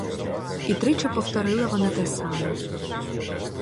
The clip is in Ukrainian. І тричі повторила вона те саме.